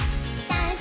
ダンス！